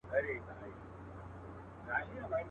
پښتونخوا له درانه خوبه را پاڅیږي.